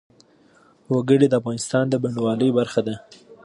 وګړي د افغانستان د بڼوالۍ برخه ده.